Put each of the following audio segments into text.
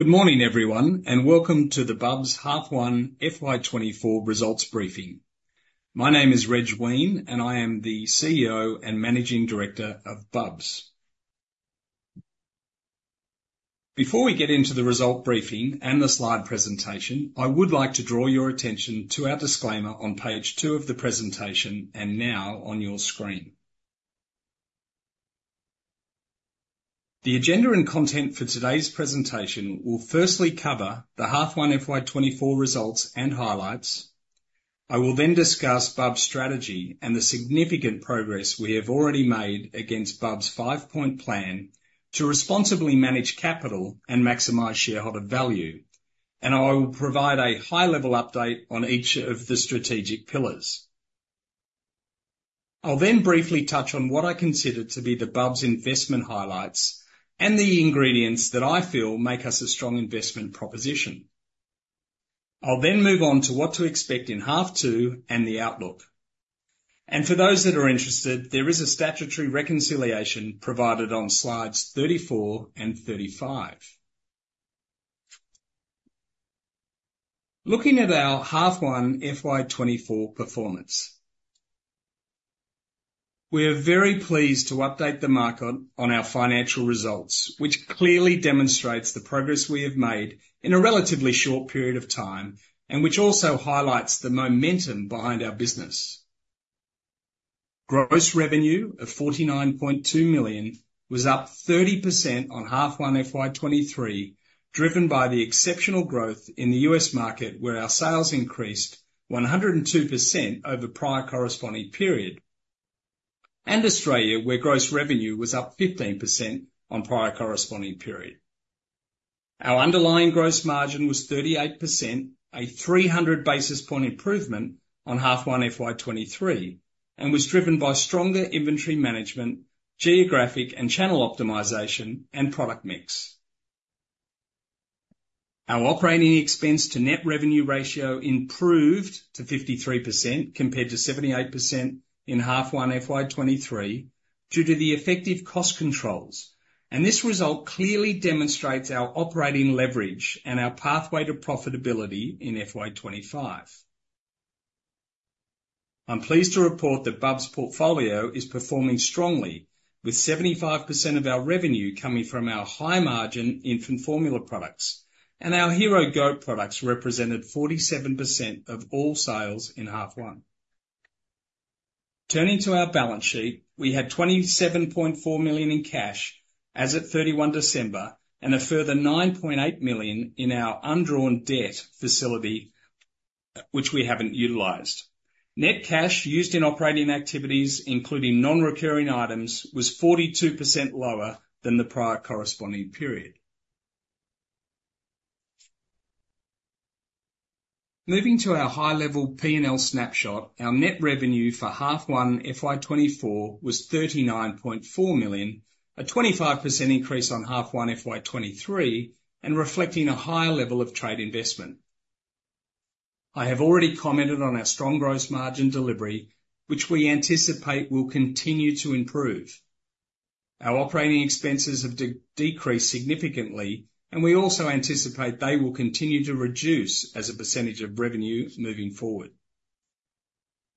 Good morning, everyone, and welcome to the Bubs Half One FY24 results briefing. My name is Reg Weine, and I am the CEO and Managing Director of Bubs. Before we get into the result briefing and the slide presentation, I would like to draw your attention to our disclaimer on page 2 of the presentation and now on your screen. The agenda and content for today's presentation will firstly cover the Half One FY24 results and highlights. I will then discuss Bubs strategy and the significant progress we have already made against Bubs' 5-point plan to responsibly manage capital and maximize shareholder value, and I will provide a high-level update on each of the strategic pillars. I'll then briefly touch on what I consider to be the Bubs' investment highlights and the ingredients that I feel make us a strong investment proposition. I'll then move on to what to expect in Half Two and the outlook. For those that are interested, there is a statutory reconciliation provided on slides 34 and 35. Looking at our Half One FY24 performance, we are very pleased to update the market on our financial results, which clearly demonstrates the progress we have made in a relatively short period of time and which also highlights the momentum behind our business. Gross revenue of 49.2 million was up 30% on Half One FY23, driven by the exceptional growth in the U.S. market where our sales increased 102% over prior corresponding period, and Australia where gross revenue was up 15% on prior corresponding period. Our underlying gross margin was 38%, a 300 basis point improvement on Half One FY23, and was driven by stronger inventory management, geographic and channel optimization, and product mix. Our operating expense-to-net revenue ratio improved to 53% compared to 78% in Half One FY23 due to the effective cost controls, and this result clearly demonstrates our operating leverage and our pathway to profitability in FY25. I'm pleased to report that Bubs' portfolio is performing strongly, with 75% of our revenue coming from our high-margin infant formula products, and our hero goat products represented 47% of all sales in Half One. Turning to our balance sheet, we had 27.4 million in cash as of 31 December and a further 9.8 million in our undrawn debt facility, which we haven't utilized. Net cash used in operating activities, including non-recurring items, was 42% lower than the prior corresponding period. Moving to our high-level P&L snapshot, our net revenue for Half One FY24 was 39.4 million, a 25% increase on Half One FY23 and reflecting a higher level of trade investment. I have already commented on our strong gross margin delivery, which we anticipate will continue to improve. Our operating expenses have decreased significantly, and we also anticipate they will continue to reduce as a percentage of revenue moving forward.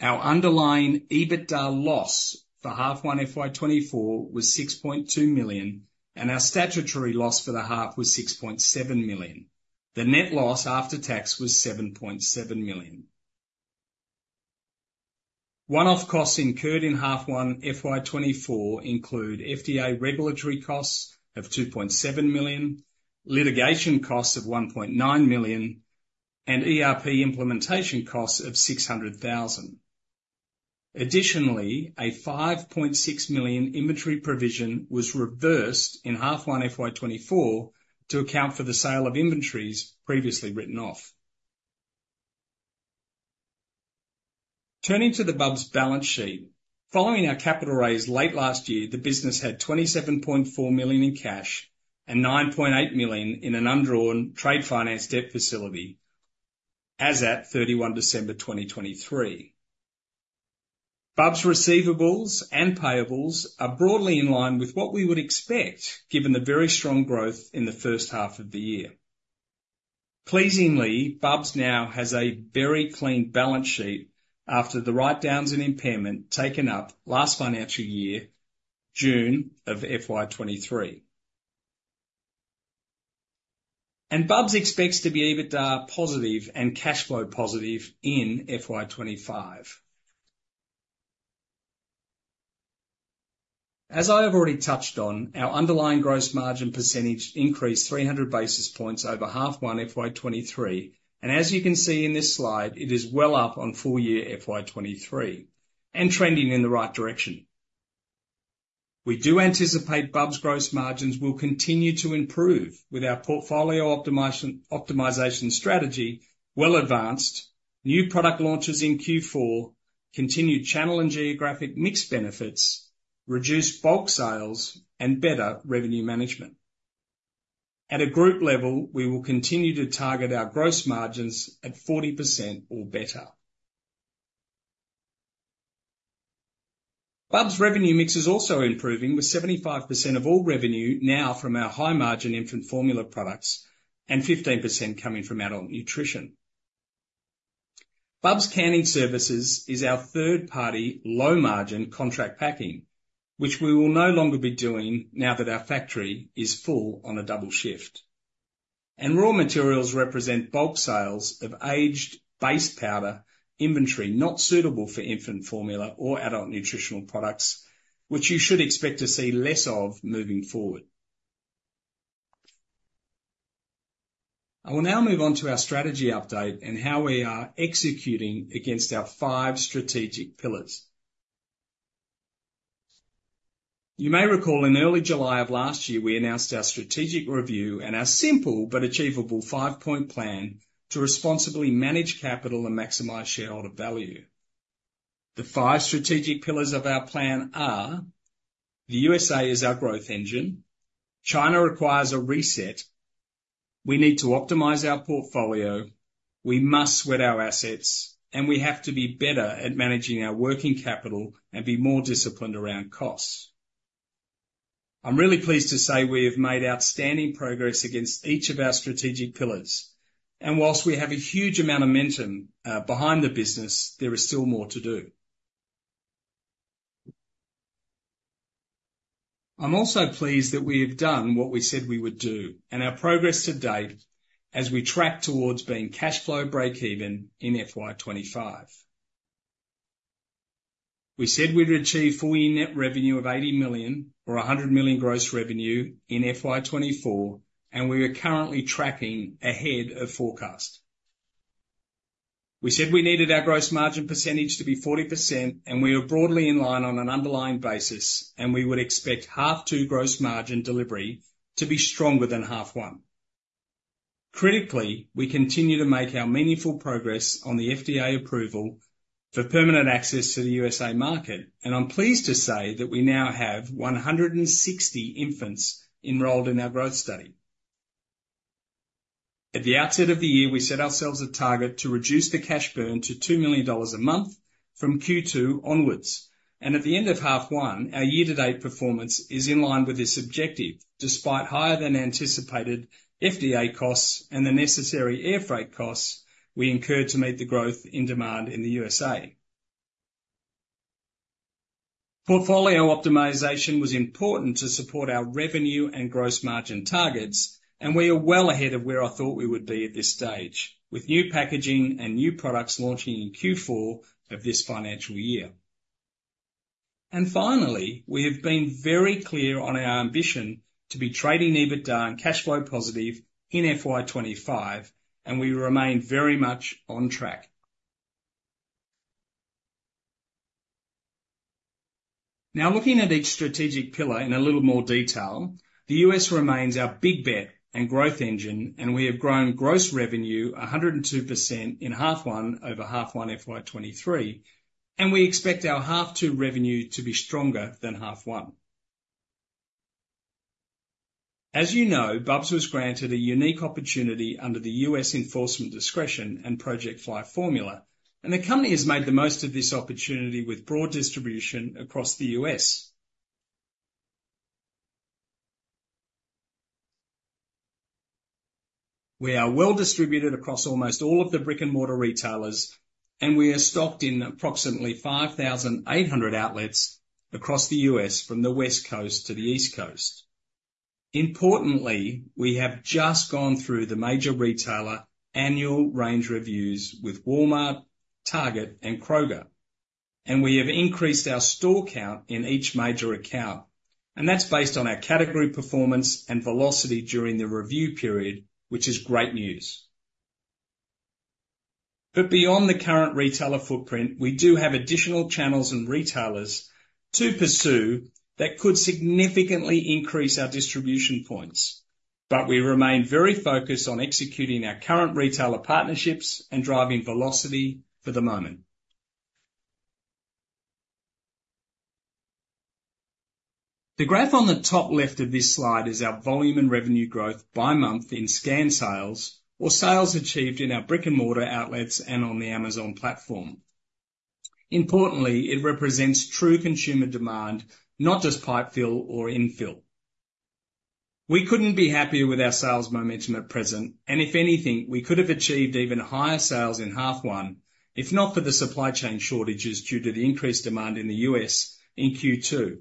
Our underlying EBITDA loss for Half One FY24 was 6.2 million, and our statutory loss for the half was 6.7 million. The net loss after tax was 7.7 million. One-off costs incurred in Half One FY24 include FDA regulatory costs of 2.7 million, litigation costs of 1.9 million, and ERP implementation costs of 600,000. Additionally, a 5.6 million inventory provision was reversed in Half One FY24 to account for the sale of inventories previously written off. Turning to the Bubs balance sheet, following our capital raise late last year, the business had 27.4 million in cash and 9.8 million in an undrawn trade finance debt facility as of 31 December 2023. Bubs' receivables and payables are broadly in line with what we would expect given the very strong growth in the first half of the year. Pleasingly, Bubs now has a very clean balance sheet after the write-downs and impairment taken up last financial year, June of FY23. Bubs expects to be EBITDA positive and cash flow positive in FY25. As I have already touched on, our underlying gross margin percentage increased 300 basis points over Half One FY23, and as you can see in this slide, it is well up on full year FY23 and trending in the right direction. We do anticipate Bubs' gross margins will continue to improve with our portfolio optimization strategy well advanced, new product launches in Q4, continued channel and geographic mix benefits, reduced bulk sales, and better revenue management. At a group level, we will continue to target our gross margins at 40% or better. Bubs' revenue mix is also improving, with 75% of all revenue now from our high-margin infant formula products and 15% coming from adult nutrition. Bubs canning services is our third-party low-margin contract packing, which we will no longer be doing now that our factory is full on a double shift. Raw materials represent bulk sales of aged base powder inventory not suitable for infant formula or adult nutritional products, which you should expect to see less of moving forward. I will now move on to our strategy update and how we are executing against our 5 strategic pillars. You may recall in early July of last year, we announced our strategic review and our simple but achievable 5-point plan to responsibly manage capital and maximize shareholder value. The 5 strategic pillars of our plan are: the USA is our growth engine, China requires a reset, we need to optimize our portfolio, we must sweat our assets, and we have to be better at managing our working capital and be more disciplined around costs. I'm really pleased to say we have made outstanding progress against each of our strategic pillars, and while we have a huge amount of momentum behind the business, there is still more to do. I'm also pleased that we have done what we said we would do and our progress to date as we track towards being cash flow break-even in FY25. We said we'd achieve full year net revenue of 80 million or 100 million gross revenue in FY24, and we are currently tracking ahead of forecast. We said we needed our gross margin percentage to be 40%, and we were broadly in line on an underlying basis, and we would expect Half Two gross margin delivery to be stronger than Half One. Critically, we continue to make our meaningful progress on the FDA approval for permanent access to the USA market, and I'm pleased to say that we now have 160 infants enrolled in our growth study. At the outset of the year, we set ourselves a target to reduce the cash burn to AUD 2 million a month from Q2 onwards. At the end of Half One, our year-to-date performance is in line with this objective, despite higher-than-anticipated FDA costs and the necessary air freight costs we incurred to meet the growth in demand in the USA. Portfolio optimization was important to support our revenue and gross margin targets, and we are well ahead of where I thought we would be at this stage, with new packaging and new products launching in Q4 of this financial year. And finally, we have been very clear on our ambition to be trading EBITDA and cash flow positive in FY 2025, and we remain very much on track. Now, looking at each strategic pillar in a little more detail, the U.S. remains our big bet and growth engine, and we have grown gross revenue 102% in Half One over Half One FY 2023, and we expect our Half Two revenue to be stronger than Half One. As you know, Bubs was granted a unique opportunity under the U.S. enforcement discretion and Operation Fly Formula, and the company has made the most of this opportunity with broad distribution across the U.S. We are well distributed across almost all of the brick-and-mortar retailers, and we are stocked in approximately 5,800 outlets across the U.S. from the West Coast to the East Coast. Importantly, we have just gone through the major retailer annual range reviews with Walmart, Target, and Kroger, and we have increased our store count in each major account, and that's based on our category performance and velocity during the review period, which is great news. But beyond the current retailer footprint, we do have additional channels and retailers to pursue that could significantly increase our distribution points, but we remain very focused on executing our current retailer partnerships and driving velocity for the moment. The graph on the top left of this slide is our volume and revenue growth by month in scan sales, or sales achieved in our brick-and-mortar outlets and on the Amazon platform. Importantly, it represents true consumer demand, not just pipe fill or infill. We couldn't be happier with our sales momentum at present, and if anything, we could have achieved even higher sales in Half One if not for the supply chain shortages due to the increased demand in the U.S. in Q2.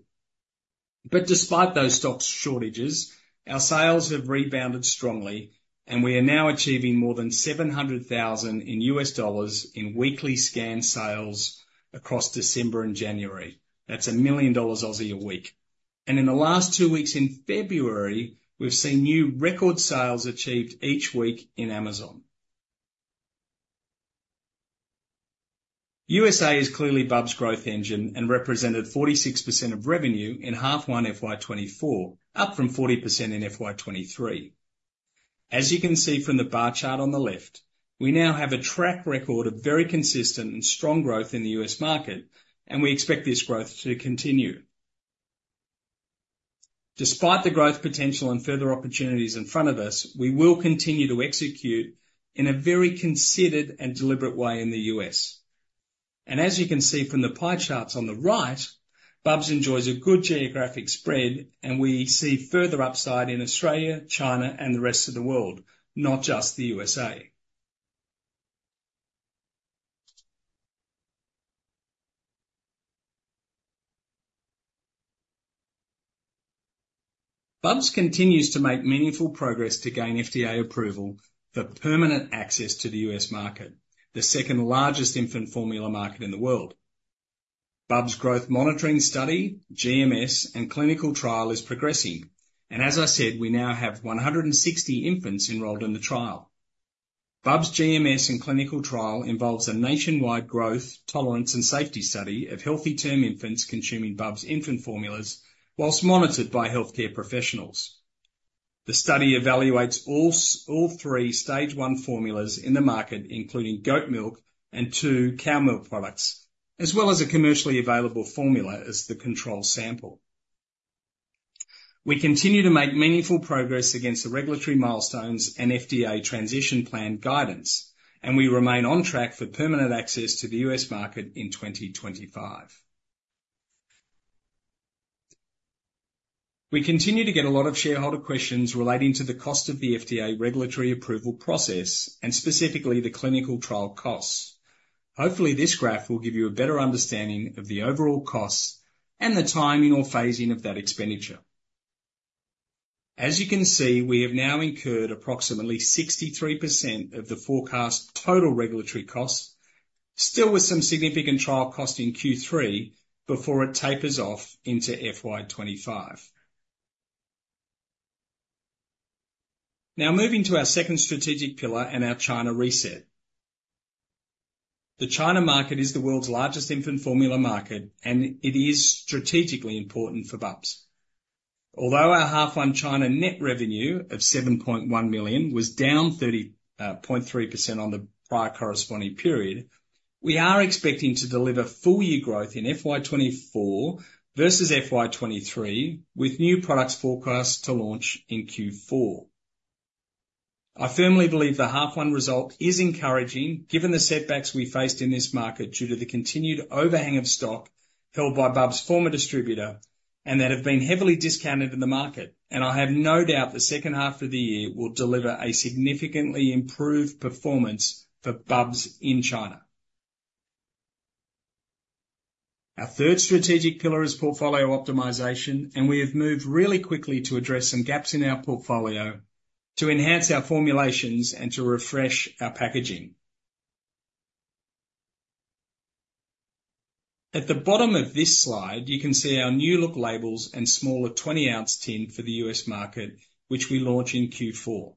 But despite those stock shortages, our sales have rebounded strongly, and we are now achieving more than $700,000 in weekly scan sales across December and January. That's 1 million dollars a week. And in the last 2 weeks in February, we've seen new record sales achieved each week in Amazon. USA is clearly Bubs' growth engine and represented 46% of revenue in Half One FY24, up from 40% in FY23. As you can see from the bar chart on the left, we now have a track record of very consistent and strong growth in the U.S. market, and we expect this growth to continue. Despite the growth potential and further opportunities in front of us, we will continue to execute in a very considered and deliberate way in the U.S. As you can see from the pie charts on the right, Bubs enjoys a good geographic spread, and we see further upside in Australia, China, and the rest of the world, not just the U.S.A. Bubs continues to make meaningful progress to gain FDA approval for permanent access to the U.S. market, the second largest infant formula market in the world. Bubs' Growth Monitoring Study, GMS, and clinical trial is progressing, and as I said, we now have 160 infants enrolled in the trial. Bubs' GMS and clinical trial involves a nationwide growth, tolerance, and safety study of healthy term infants consuming Bubs' infant formulas while monitored by healthcare professionals. The study evaluates all three Stage 1 formulas in the market, including goat milk and 2 cow milk products, as well as a commercially available formula as the control sample. We continue to make meaningful progress against the regulatory milestones and FDA transition plan guidance, and we remain on track for permanent access to the US market in 2025. We continue to get a lot of shareholder questions relating to the cost of the FDA regulatory approval process and specifically the clinical trial costs. Hopefully, this graph will give you a better understanding of the overall costs and the timing or phasing of that expenditure. As you can see, we have now incurred approximately 63% of the forecast total regulatory costs, still with some significant trial cost in Q3 before it tapers off into FY25. Now, moving to our second strategic pillar and our China reset. The China market is the world's largest infant formula market, and it is strategically important for Bubs. Although our H1 China net revenue of 7.1 million was down 30.3% on the prior corresponding period, we are expecting to deliver full year growth in FY24 versus FY23 with new products forecast to launch in Q4. I firmly believe the Half One result is encouraging given the setbacks we faced in this market due to the continued overhang of stock held by Bubs' former distributor and that have been heavily discounted in the market, and I have no doubt the second half of the year will deliver a significantly improved performance for Bubs in China. Our third strategic pillar is portfolio optimization, and we have moved really quickly to address some gaps in our portfolio to enhance our formulations and to refresh our packaging. At the bottom of this slide, you can see our new look labels and smaller 20-ounce tin for the U.S. market, which we launch in Q4.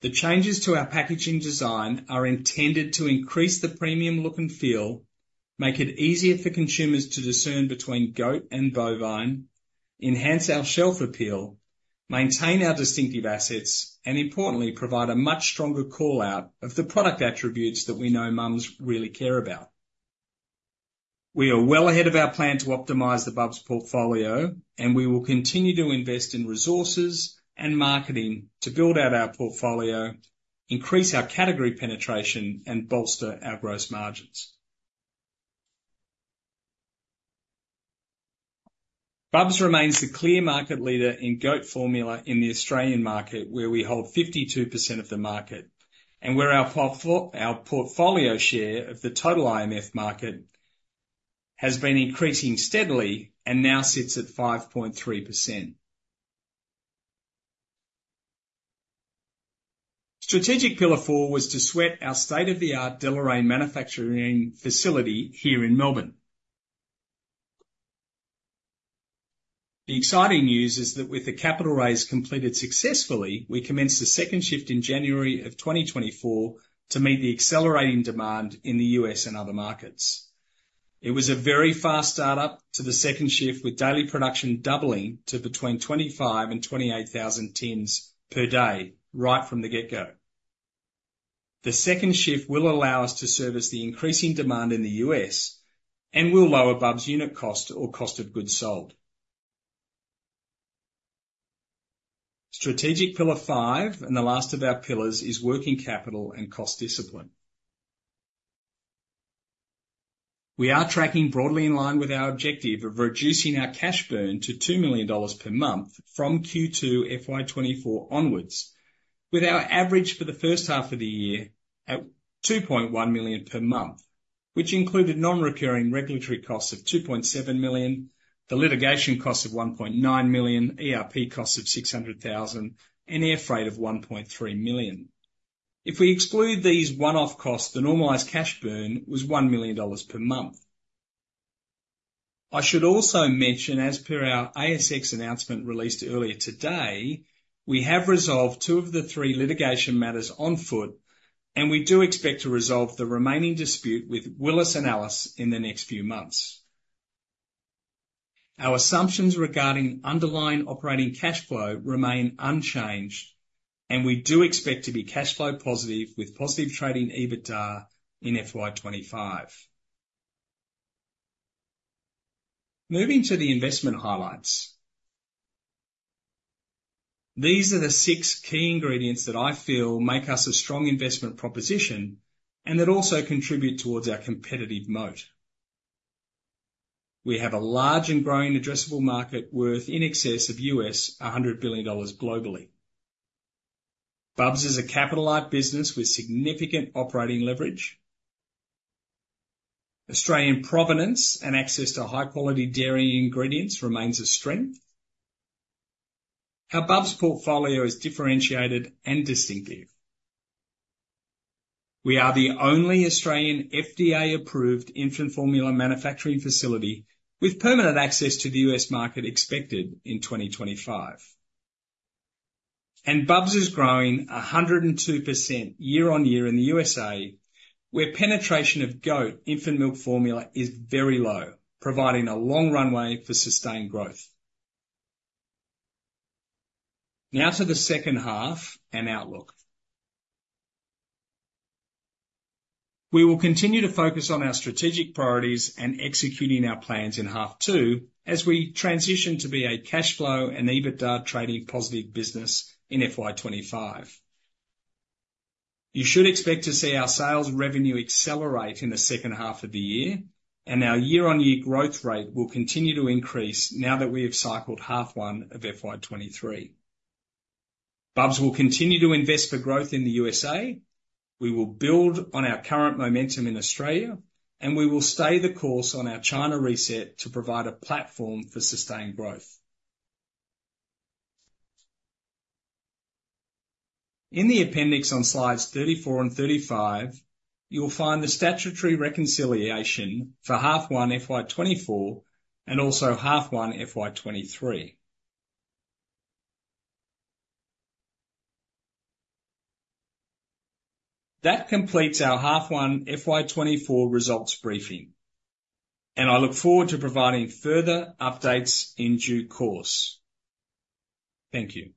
The changes to our packaging design are intended to increase the premium look and feel, make it easier for consumers to discern between goat and bovine, enhance our shelf appeal, maintain our distinctive assets, and importantly, provide a much stronger callout of the product attributes that we know moms really care about. We are well ahead of our plan to optimize the Bubs' portfolio, and we will continue to invest in resources and marketing to build out our portfolio, increase our category penetration, and bolster our gross margins. Bubs remains the clear market leader in goat formula in the Australian market, where we hold 52% of the market, and where our portfolio share of the total IMF market has been increasing steadily and now sits at 5.3%. Strategic pillar 4 was to sweat our state-of-the-art Deloraine manufacturing facility here in Melbourne. The exciting news is that with the capital raise completed successfully, we commence the second shift in January of 2024 to meet the accelerating demand in the U.S. and other markets. It was a very fast start-up to the second shift, with daily production doubling to between 25,000 and 28,000 tins per day right from the get-go. The second shift will allow us to service the increasing demand in the U.S. and will lower Bubs' unit cost or cost of goods sold. Strategic pillar 5, and the last of our pillars, is working capital and cost discipline. We are tracking broadly in line with our objective of reducing our cash burn to 2 million dollars per month from Q2 FY24 onwards, with our average for the first half of the year at 2.1 million per month, which included non-recurring regulatory costs of 2.7 million, the litigation cost of 1.9 million, ERP cost of 600,000, and air freight of 1.3 million. If we exclude these one-off costs, the normalized cash burn was AUD 1 million per month. I should also mention, as per our ASX announcement released earlier today, we have resolved 2 of the 3 litigation matters on foot, and we do expect to resolve the remaining dispute with Willis and Alice in the next few months. Our assumptions regarding underlying operating cash flow remain unchanged, and we do expect to be cash flow positive with positive trading EBITDA in FY25. Moving to the investment highlights. These are the 6 key ingredients that I feel make us a strong investment proposition and that also contribute towards our competitive moat. We have a large and growing addressable market worth in excess of $100 billion globally. Bubs is a capital-like business with significant operating leverage. Australian provenance and access to high-quality dairy ingredients remains a strength. Our Bubs portfolio is differentiated and distinctive. We are the only Australian FDA-approved infant formula manufacturing facility with permanent access to the U.S. market expected in 2025. Bubs is growing 102% year-on-year in the USA, where penetration of goat infant milk formula is very low, providing a long runway for sustained growth. Now to the second half and outlook. We will continue to focus on our strategic priorities and executing our plans in Half Two as we transition to be a cash flow and EBITDA trading positive business in FY25. You should expect to see our sales revenue accelerate in the second half of the year, and our year-on-year growth rate will continue to increase now that we have cycled half one of FY23. Bubs will continue to invest for growth in the USA. We will build on our current momentum in Australia, and we will stay the course on our China reset to provide a platform for sustained growth. In the appendix on slides 34 and 35, you'll find the statutory reconciliation for half one FY24 and also half one FY23. That completes our half one FY24 results briefing, and I look forward to providing further updates in due course. Thank you.